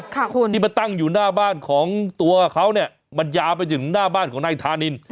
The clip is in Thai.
ค่ะคุณที่มาตั้งอยู่หน้าบ้านของตัวเขาเนี่ยมันยาวไปถึงหน้าบ้านของนายธานิน